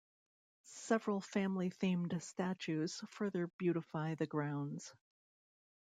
Several family-themed statues further beautify the grounds.